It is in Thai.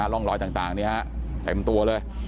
ลองร้อยต่างนี้ครับเต็มตัวเลย